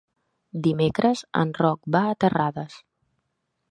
Dimecres en Roc va a Terrades.